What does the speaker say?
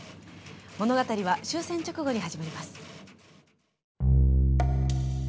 物語は終戦直後に始まります。